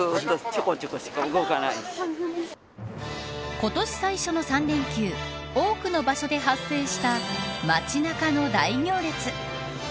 今年最初の３連休多くの場所で発生した街中の大行列。